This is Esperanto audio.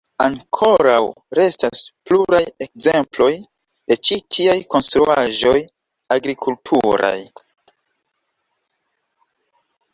Ankoraŭ restas pluraj ekzemploj de ĉi tiaj konstruaĵoj agrikulturaj.